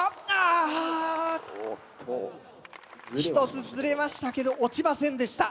１つずれましたけど落ちませんでした。